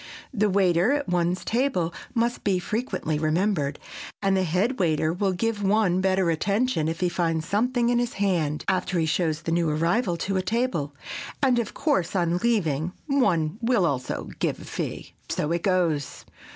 The waiter at one's table must be frequently remembered, and the head waiter will give one better attention if he finds something in his hand after he shows the new arrival to a table, and, of course, on leaving, one will also give a fee. So it goes!